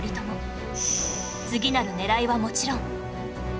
次なる狙いはもちろん